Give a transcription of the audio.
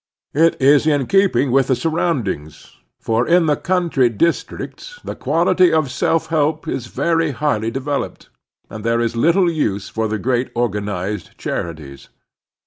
It is in keeping with the surroundings, for in the cotintry districts the quality of self help is very highly developed, and there is little use for the great organized charities.